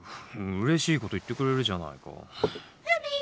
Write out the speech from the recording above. うれしいこと言ってくれるじゃないか。